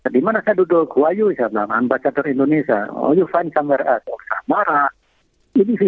disewakan yos yang mewah itu